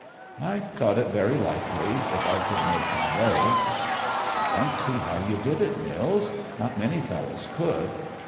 "I thought it very likely, if I could make my way." "I don't see how you did it, Nils. Not many fellows could."